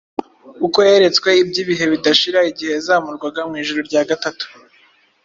uko yeretswe iby’ibihe bidashira igihe yazamurwaga mu ijuru rya gatatu;